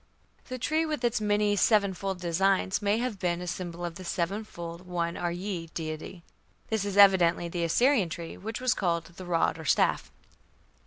The tree with its many "sevenfold" designs may have been a symbol of the "Sevenfold one are ye" deity. This is evidently the Assyrian tree which was called "the rod" or "staff".